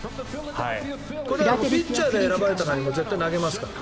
ピッチャーで選ばれたら絶対に投げますから。